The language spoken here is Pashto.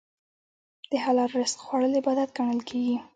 د حلال رزق خوړل عبادت ګڼل کېږي.